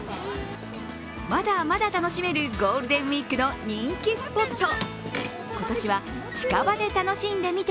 まだまだ楽しめるゴールデンウイークの人気スポット。